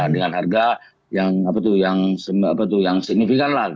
dengan harga yang signifikan lah